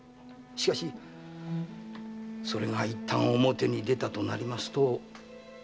しかしそれが一旦表に出たとなりますと。